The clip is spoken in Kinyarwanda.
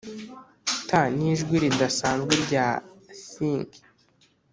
t nijwi ridasanzwe rya thing